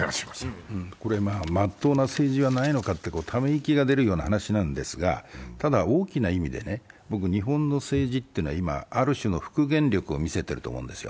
真っ当な政治はないのかとため息が出るような話なんですが、ただ大きな意味で、僕、日本の政治というのはある種の復元力を見せてると思うんですよ。